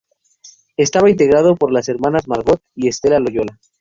Estaba integrado por las hermanas Margot y Estela Loyola.